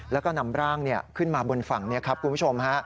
แล้วก็นำร่างขึ้นมาบนฝั่งนี้ครับคุณผู้ชมฮะ